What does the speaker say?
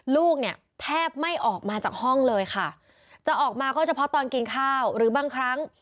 ลูกเนี่ยแทบไม่ออกมาจากห้องเลยค่ะจะออกมาก็เฉพาะตอนกินข้าวหรือบางครั้ง